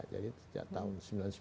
jadi sejak tahun sembilan puluh sembilan